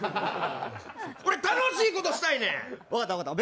俺、楽しいことしたいねん。